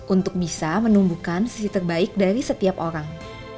untuk bisa menumbuhkan sisi terbaik dari setiap orang